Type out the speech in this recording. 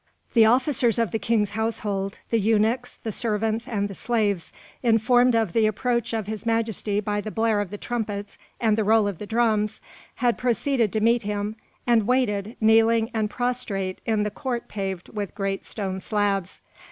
The officers of the king's household, the eunuchs, the servants, and the slaves, informed of the approach of His Majesty by the blare of the trumpets and the roll of the drums, had proceeded to meet him, and waited, kneeling and prostrate, in the court paved with great stone slabs.